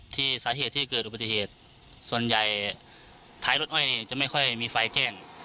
สาเหตุที่เกิดอุบัติเหตุส่วนใหญ่ท้ายรถอ้อยเนี่ยจะไม่ค่อยมีไฟแกล้ง